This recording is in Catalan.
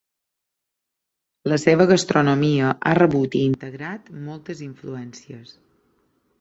La seva gastronomia ha rebut i integrat moltes influències.